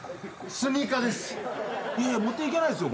スニーカーです。